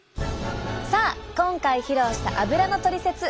さあ今回披露したアブラのトリセツ。